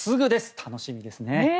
楽しみですね。